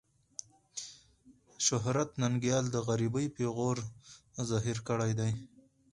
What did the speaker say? شهرت ننګيال د غريبۍ پېغور زهير کړی دی.